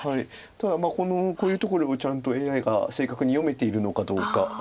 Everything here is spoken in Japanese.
ただこういうところをちゃんとＡＩが正確に読めているのかどうか。